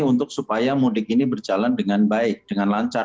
untuk supaya mudik ini berjalan dengan baik dengan lancar